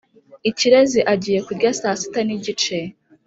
ikirezi agiye kurya saa sita nigice